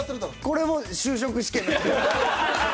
これも就職試験。